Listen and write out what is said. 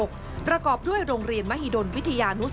ซึ่งกลางปีนี้ผลการประเมินการทำงานขององค์การมหาชนปี๒ประสิทธิภาพสูงสุด